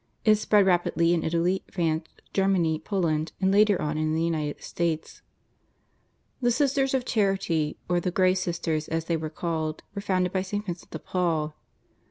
It spread rapidly in Italy, France, Germany, Poland, and later on in the United States. The Sisters of Charity, or the Grey Sisters as they were called, were founded by St. Vincent de Paul.